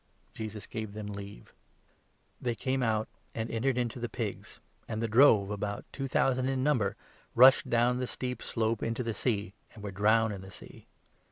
Jesus gave them leave. They came out, and entered into 13 the pigs ; and the drove — about two thousand in number — rushed down the steep slope into the Sea and were drowned in the Sea.